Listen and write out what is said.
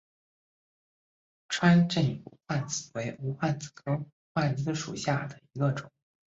川滇无患子为无患子科无患子属下的一个种。